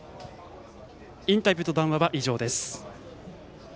インタビューと談話は以上です。